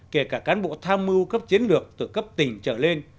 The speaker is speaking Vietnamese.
kể cả cán bộ tham mưu cấp chiến lược từ cấp tỉnh trở lên